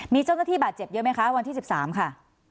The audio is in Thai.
มีเจ้าหน้าที่บาดเจ็บเยอะไหมคะวันที่๑๓ค่ะ